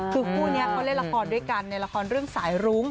คุณเนี่ยก็เล่นละครด้วยกันในละครเรื่องสายรุง